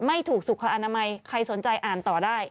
ไม่ถูกสุขอนามัยใครสนใจอ่านต่อได้